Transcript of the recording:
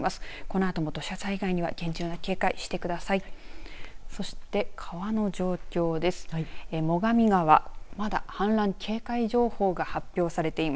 このあとも土砂災害には厳重な警戒してください。